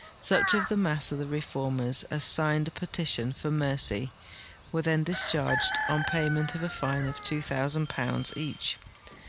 Sucli of tlie mass of the reformers as signed a petition for mercy Avere then discliarged, on payment of a fine of £2,000 each.